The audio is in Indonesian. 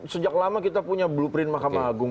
sejak lama kita punya blueprint mahkamah agung